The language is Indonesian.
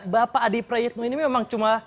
bapak adi prayitno ini memang cuma